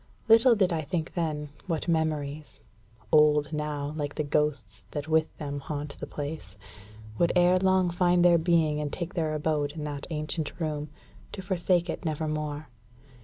Little did I think then what memories old, now, like the ghosts that with them haunt the place would ere long find their being and take their abode in that ancient room, to forsake it never more.